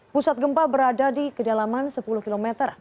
pusat gempa berada di kedalaman sepuluh km